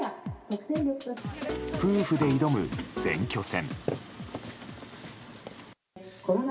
夫婦で挑む選挙戦。